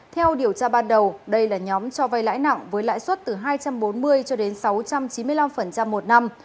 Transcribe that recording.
theo điều tra ban đầu đây là nhóm cho vay lãi nặng với lãi suất từ hai trăm bốn mươi cho đến sáu trăm chín mươi năm một năm